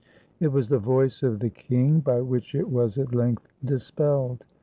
It was the voice of the king by which it was at length dispelled.